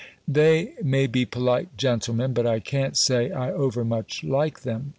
They may be polite gentlemen, but I can't say I over much like them.